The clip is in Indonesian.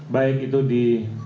baik itu di